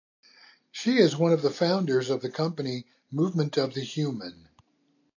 She is one of the founders of the company Movement Of The Human.